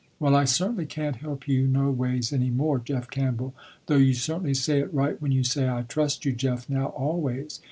"Well I certainly can't help you no ways any more Jeff Campbell, though you certainly say it right when you say I trust you Jeff now always.